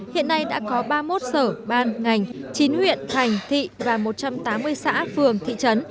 hiện nay đã có ba mươi một sở ban ngành chín huyện thành thị và một trăm tám mươi xã phường thị trấn